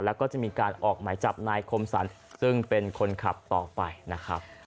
แล้วก็จะมีการออกหมายจับนายคมสรรซึ่งเป็นคนขับต่อไปนะครับ